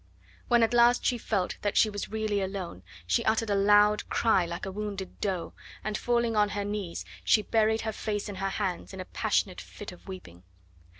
When at last she felt that she was really alone she uttered a loud cry like a wounded doe, and falling on her knees she buried her face in her hands in a passionate fit of weeping.